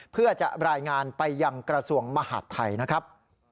เพื่อจะรายงานไปยังกระทรวงมหาดไทยนะครับ